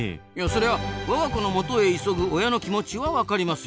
そりゃ我が子のもとへ急ぐ親の気持ちは分かりますよ。